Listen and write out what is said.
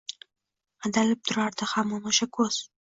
Qadalib turardi hamon oʻsha koʻz.